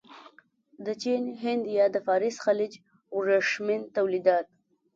د چین، هند یا د فارس خلیج ورېښمین تولیدات.